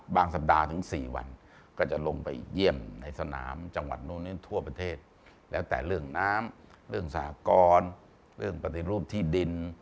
สัปดาห์ถึง๔วันก็จะลงไปเยี่ยมในสนามจังหวัดนู้นทั่วประเทศแล้วแต่เรื่องน้ำเรื่องสหกรเรื่องปฏิรูปที่ดิน